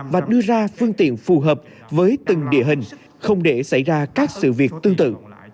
và đưa ra phương tiện phù hợp với từng địa hình không để xảy ra các sự việc tương tự